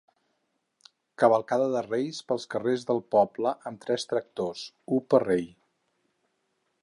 Cavalcada dels Reis pels carrers del poble amb tres tractors, u per rei.